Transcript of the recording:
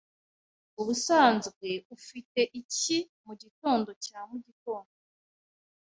Ubusanzwe ufite iki mugitondo cya mugitondo?